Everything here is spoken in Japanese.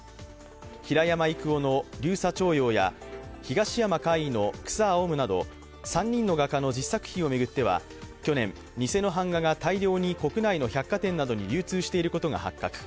平山郁夫の「流沙朝陽」や東山魁夷の「草青む」など３人の画家の１０作品を巡っては去年、偽の版画が大量に国内の百貨店などに流通していることが発覚。